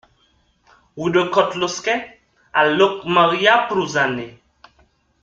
Rue de Coat Losquet à Locmaria-Plouzané